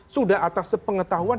sudah atas sepengetahuan